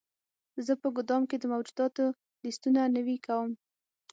زه په ګدام کې د موجوداتو لیستونه نوي کوم.